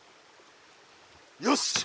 よし！